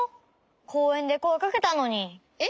こうえんでこえかけたのに。え？